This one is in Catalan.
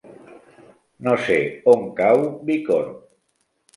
No sé on cau Bicorb.